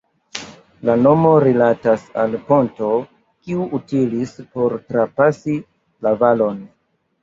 La nomo rilatas al ponto kiu utilis por trapasi la valon.